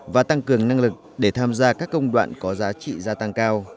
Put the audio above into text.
và tăng cường năng lực để tham gia các công đoạn có giá trị gia tăng cao